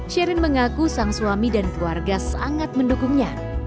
sherin mengaku sang suami dan keluarga sangat mendukungnya